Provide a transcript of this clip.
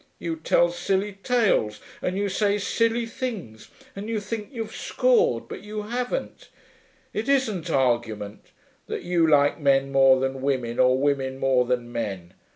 You tell silly tales, and you say silly things, and you think you've scored but you haven't. It isn't argument, that you like men more than women or women more than men.